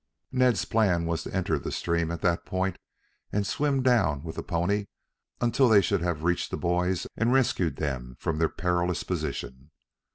Ned's plan was to enter the stream at that point and swim down with the pony until they should have reached the boys and rescued them from their perilous position.